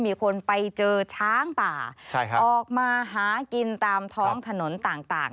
มีคนไปเจอช้างป่าออกมาหากินตามท้องถนนต่าง